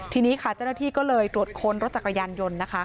ทีนี้ค่ะเจ้าหน้าที่ก็เลยตรวจค้นรถจักรยานยนต์นะคะ